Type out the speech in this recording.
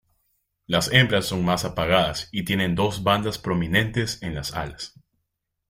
Las hembras son más apagadas y tienen dos bandas prominentes en las alas.